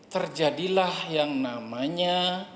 terjadilah yang namanya